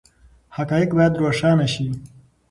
حقایق باید روښانه شي.